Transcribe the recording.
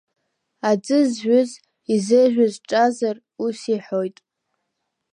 Аӡы зжәыз, изыржәыз дҿазар, ус иҳәоит…